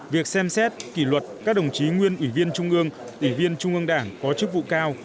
việc xem xét kỷ luật các đồng chí nguyên ủy viên trung ương ủy viên trung ương đảng có chức vụ cao